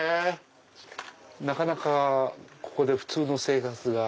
なかなかここで普通の生活が。